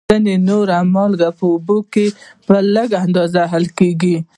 ځینې نورې مالګې په اوبو کې په لږ اندازه حل کیږي.